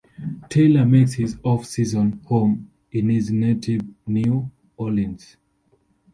Taylor makes his off-season home in his native New Orleans.